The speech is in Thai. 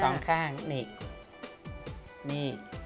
สองข้างนี่